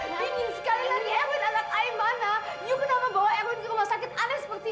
anggrek aku erwin aku menunggu kamu